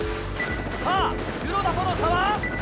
さぁ黒田との差は？